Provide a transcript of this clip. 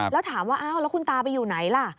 แล้วถามว่าอ้าวแล้วคุณตาไปอยู่ไหนล่ะ